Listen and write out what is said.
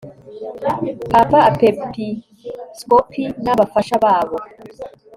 papa, apepiskopi n'abafasha babo